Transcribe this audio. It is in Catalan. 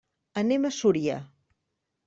Anem a Súria.